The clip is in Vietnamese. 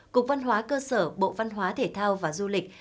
cục văn hóa cơ sở bộ văn hóa thể thao và du lịch